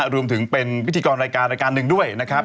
รวมถึงเป็นพิธีกรรายการรายการหนึ่งด้วยนะครับ